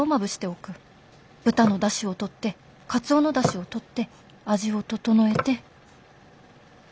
豚の出汁をとってカツオの出汁をとって味を調えて。